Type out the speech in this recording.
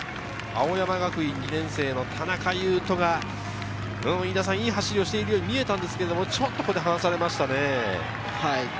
青山学院大学２年生の田中悠登がいい走りをしているように見えたんですけど、ちょっと離されましたね。